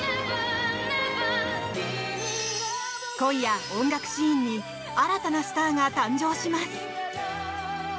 今夜、音楽シーンに新たなスターが誕生します！